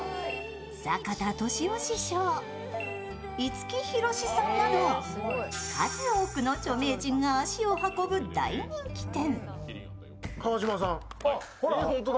坂田利夫師匠五木ひろしさんなど数多くの著名人が足を運ぶ大人気店。